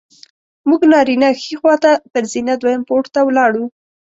موږ نارینه ښي خوا ته پر زینه دویم پوړ ته ولاړو.